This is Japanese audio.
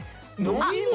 飲み物